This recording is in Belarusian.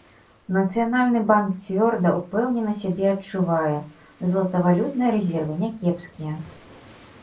Нацыянальны банк цвёрда, упэўнена сябе адчувае, золатавалютныя рэзервы някепская.